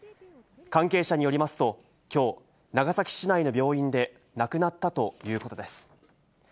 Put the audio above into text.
関係者によりますと、きょう、長崎市内の病院で亡くなったということです。